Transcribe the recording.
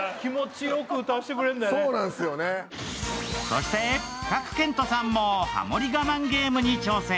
そして、賀来賢人さんもハモリ我慢ゲームに挑戦。